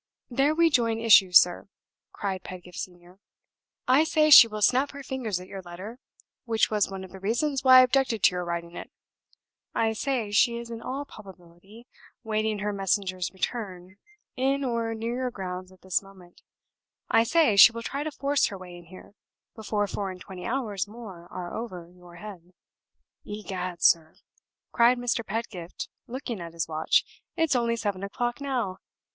"There we join issue, sir," cried Pedgift Senior. "I say she will snap her fingers at your letter (which was one of the reasons why I objected to your writing it). I say, she is in all probability waiting her messenger's return, in or near your grounds at this moment. I say, she will try to force her way in here, before four and twenty hours more are over your head. Egad, sir!" cried Mr. Pedgift, looking at his watch, "it's only seven o'clock now.